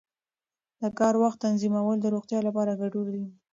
د کار وخت تنظیمول د روغتیا لپاره ګټور دي.